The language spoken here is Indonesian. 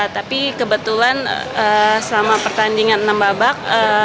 tapi kebetulan selama pertandingan enam babak